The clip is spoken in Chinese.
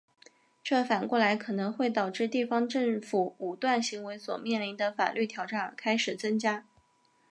这反过来可能会导致地方政府武断行为所面临的法律挑战开始增加。